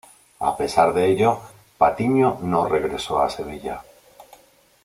A pesar de ello, Patiño no regresó a Sevilla.